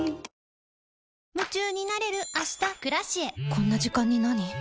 こんな時間になに？